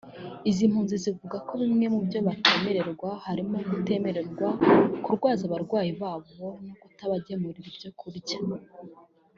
Izi mpunzi zivuga ko bimwe mubyo batemererwa harimo kutemererwa kurwaza abarwayi babo no kutabagemurira ibyo kurya